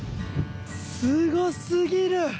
すごすぎる。